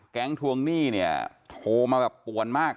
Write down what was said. ทวงหนี้เนี่ยโทรมาแบบป่วนมาก